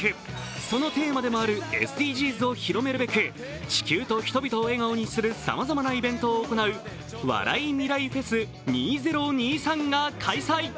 そのテーマでもあるＳＤＧｓを広めるべく地球と人々を笑顔にするさまざまなイベントを行う「ＷＡＲＡＩＭＩＲＡＩＦＥＳ２０２３」が開催。